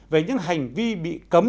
về những hành vi bị cấm